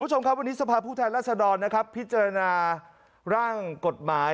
วันนี้สภาพุทธรรษดรพิจารณาร่างกฎหมาย